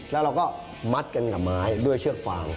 แล้วเราก็มัดกันกับไม้ด้วยเชือกฟาง